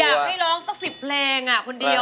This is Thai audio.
อยากให้ร้องสัก๑๐เพลงคนเดียว